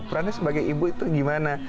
perannya sebagai ibu itu gimana